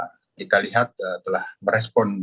kita lihat telah merespon